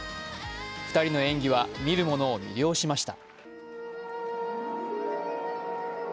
２人の演技は見るものを魅了しました。